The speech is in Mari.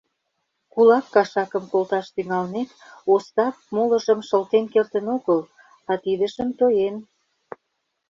Кулак кашакым колташ тӱҥалмек, Остап молыжым шылтен кертын огыл, а тидыжым тоен.